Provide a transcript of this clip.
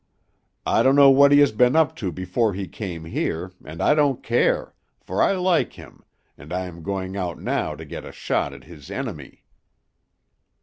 I don't know what he has been up to before he came here, and I don't care, for I like him, and I am going out now to get a shot at his enemy."